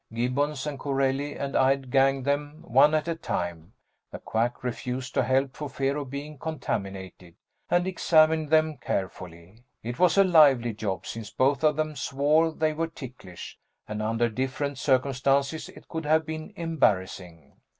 Gibbons and Corelli and I ganged them one at a time the Quack refused to help for fear of being contaminated and examined them carefully. It was a lively job, since both of them swore they were ticklish, and under different circumstances it could have been embarrassing.